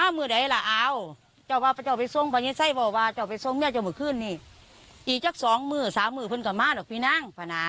เดี๋ยวผมจะไปเรียกเนื้อบ้านบันได